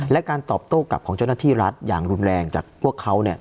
และการตอบโต้กลับของเจ้าหน้าที่รัฐอย่างรุนแรงจากพวกเขา